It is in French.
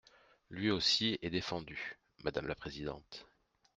Lui aussi est défendu, madame la présidente.